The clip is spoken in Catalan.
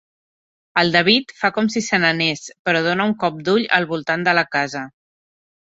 El David fa com si se'n anés, però dona un cop d'ull al voltant de la casa.